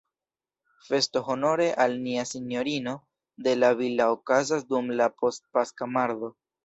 Festo honore al Nia Sinjorino de La Villa okazas dum la post-paska mardo.